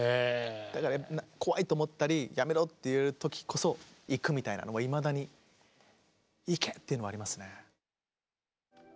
だから怖いと思ったりやめろって言われた時こそ行くみたいなのはいまだに行け！っていうのはありますね。